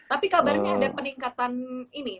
tapi kabarnya ada peningkatan ini